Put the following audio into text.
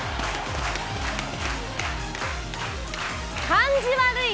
感じ悪い